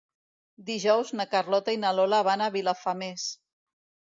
Dijous na Carlota i na Lola van a Vilafamés.